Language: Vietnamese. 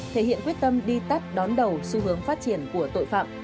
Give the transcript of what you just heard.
thể hiện quyết tâm đi tắt đón đầu xu hướng phát triển của tội phạm